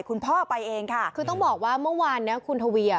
พ่อไปเองค่ะคือต้องบอกว่าเมื่อวานเนี้ยคุณทวีอ่ะ